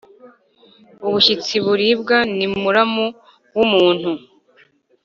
Ubushyitsi buribwa ni muramu w’umuntu.